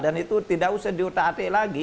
dan itu tidak usah diutak atik lagi